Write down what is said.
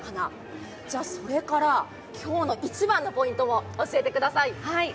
じゃあそれから、今日の一番のポイントを教えてください。